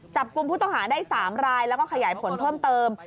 จับกลุ่มผู้ต้องหาได้๓รายแล้วก็ขยายผลเพิ่มเติม